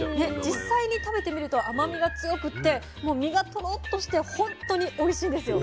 実際に食べてみると甘みが強くってもう身がトロッとして本当においしいんですよ。